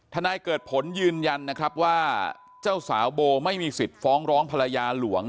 นายเกิดผลยืนยันนะครับว่าเจ้าสาวโบไม่มีสิทธิ์ฟ้องร้องภรรยาหลวง